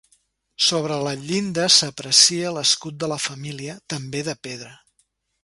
Sobre la llinda s'aprecia l'escut de la família, també de pedra.